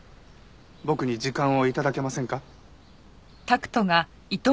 僕に時間を頂けませんか？